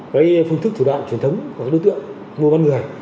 cái phương thức thủ đoạn truyền thống của các đối tượng mua bán người